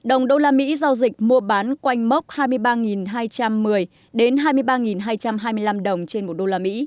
usd giao dịch mua bán quanh mốc hai mươi ba hai trăm một mươi đến hai mươi ba hai trăm hai mươi năm đồng trên usd